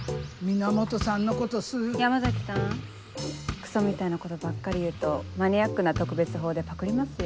クソみたいなことばっかり言うとマニアックな特別法でパクりますよ。